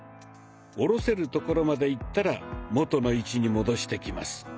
下ろせるところまでいったら元の位置に戻してきます。